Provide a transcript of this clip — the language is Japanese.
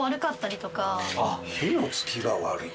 火のつきが悪い？